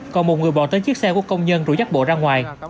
còn một người bỏ tới chiếc xe của công nhân rủ dắt bộ ra ngoài